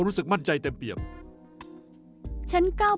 รู้สึกใจเป้นใจเลย